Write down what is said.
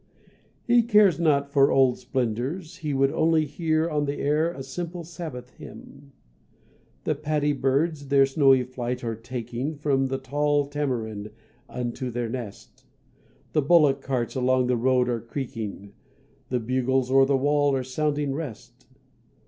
He cares not for old splendours, he would only Hear on the air a simple Sabbath hymn. The paddy birds their snowy flight are taking From the tall tamarind unto their nest, The bullock carts along the road are creaking, The bugles o'er the wall are sounding rest.